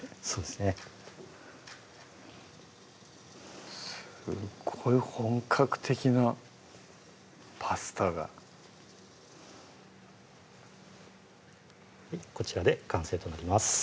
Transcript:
すっごい本格的なパスタがこちらで完成となります